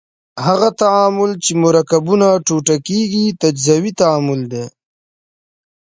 هغه تعامل چې مرکبونه ټوټه کیږي تجزیوي تعامل دی.